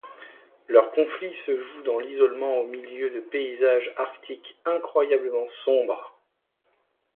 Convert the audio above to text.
Leur conflit se joue dans l'isolement au milieu de paysages arctiques incroyablement sombres.